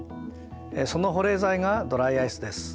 その保冷剤がドライアイスです。